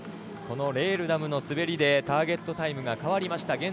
レールダムの滑りでターゲットタイムが変わりました。